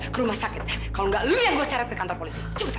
kayak gini ngerti